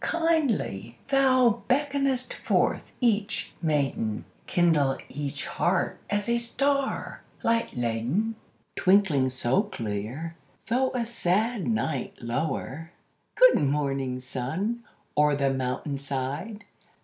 Kindly thou beckonest forth each maiden; Kindle each heart as a star light laden, Twinkling so clear, though a sad night lower! Good morning, sun, o'er the mountain side!